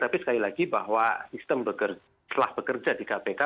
tapi sekali lagi bahwa sistem setelah bekerja di kpk